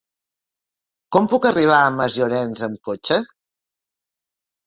Com puc arribar a Masllorenç amb cotxe?